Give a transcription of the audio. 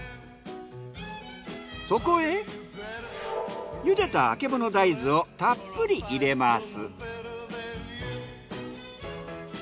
そこへ茹でたあけぼの大豆をたっぷり入れます。